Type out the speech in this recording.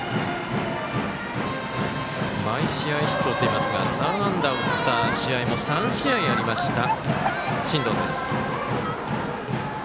毎試合ヒットを打っていますが３安打を打った試合も３試合ありました、進藤です。